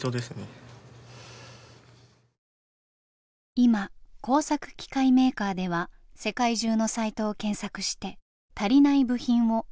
今工作機械メーカーでは世界中のサイトを検索して足りない部品を補おうとしています。